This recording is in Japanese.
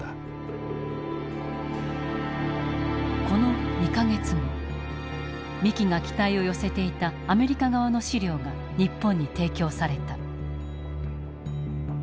この２か月後三木が期待を寄せていたアメリカ側の資料が日本に提供された。